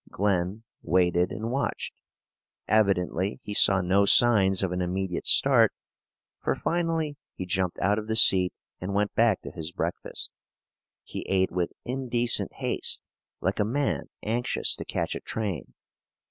Glen waited and watched. Evidently he saw no signs of an immediate start, for finally he jumped out of the seat and went back to his breakfast. He ate with indecent haste, like a man anxious to catch a train.